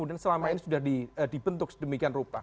yang sudah dibentuk sedemikian rupa